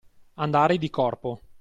Andare di corpo.